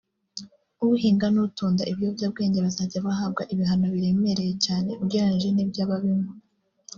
uhinga n’utunda ibiyobyabwenge bazajya bahabwa ibihano biremereye cyane ugereranije n’iby’ababinywa”